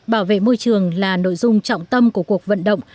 bảo vệ môi trường là nội dung trọng tâm của cuộc vận động